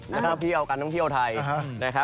แล้วก็เที่ยวกันท่องเที่ยวไทย